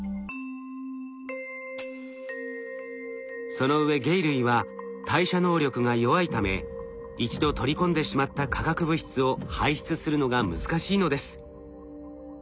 そのうえ鯨類は代謝能力が弱いため一度取り込んでしまった化学物質を排出するのが難しいのです。